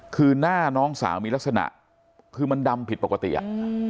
คือหน้าน้องสาวมีลักษณะคือมันดำผิดปกติอ่ะ